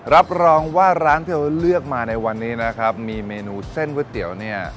รับรองว่าร้านที่เราเลือกมาในวันนี้นะครับมีเมนูเส้นก๋วยเตี๋ยวเนี่ย